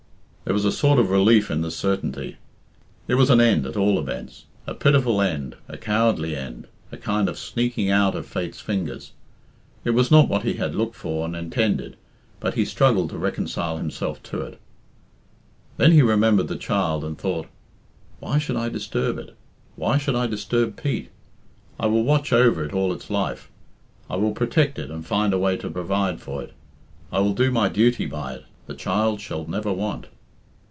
There was a sort of relief in this certainty. It was an end, at all events; a pitiful end, a cowardly end, a kind of sneaking out of Fate's fingers; it was not what he had looked for and intended, but he struggled to reconcile himself to it. Then he remembered the child and thought, "Why should I disturb it? Why should I disturb Pete? I will watch over it all its life. I will protect it and find a way to provide for it. I will do my duty by it. The child shall never want."